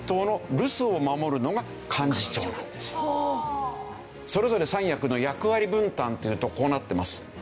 そうするとそれぞれ三役の役割分担というとこうなってます。